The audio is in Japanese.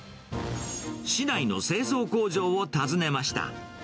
市内の製造工場を訪ねました。